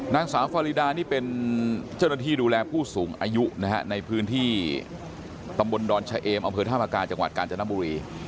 นางสาวฟารีดานี่เป็นเจ้าหน้าที่ดูแลผู้สูงอายุนะฮะในพื้นที่ตำบลดอนชะเอมอำเภอธามกาจังหวัดกาญจนบุรี